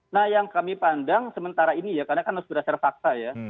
nah yang kami pandang sementara ini ya karena kan harus berdasar fakta ya